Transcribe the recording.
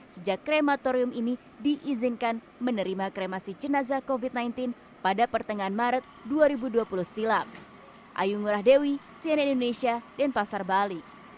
sejak krematorium ini diizinkan menerima kremasi jenazah covid sembilan belas pada pertengahan maret dua ribu dua puluh silam